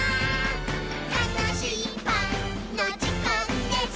「たのしいパンのじかんです！」